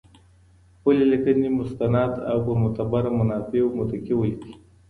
خپل لیکنې مستند او پر معتبره منابعو متکي ولیکئ.